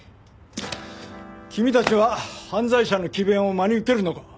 君たちは犯罪者の詭弁を真に受けるのか？